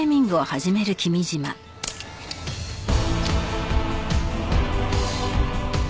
よし！